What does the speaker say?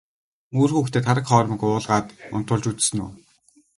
Үр хүүхдээ тараг хоормог уулгаад унтуулж үзсэн үү?